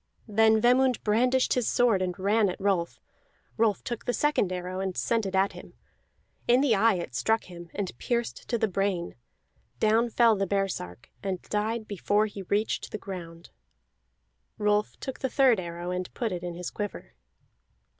Then Vemund brandished his sword and ran at Rolf; Rolf took the second arrow and sent it at him. In the eye it struck him, and pierced to the brain; down fell the baresark, and died before he reached the ground. Rolf took the third arrow and put it in his quiver.